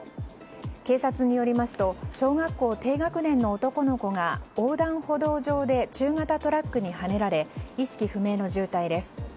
警察によりますと小学校低学年の男の子が横断歩道上で中型トラックにはねられ意識不明の重体です。